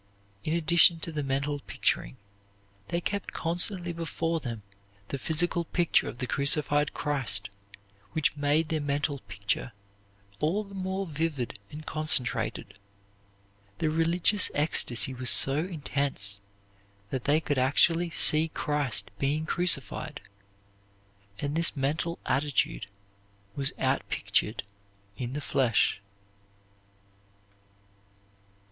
In addition to the mental picturing, they kept constantly before them the physical picture of the crucified Christ, which made their mental picture all the more vivid and concentrated. The religious ecstasy was so intense that they could actually see Christ being crucified, and this mental attitude was outpictured in the flesh.